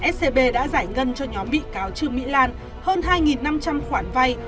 scb đã giải ngân cho nhóm bị cáo trương mỹ lan hơn hai năm trăm linh khoản vay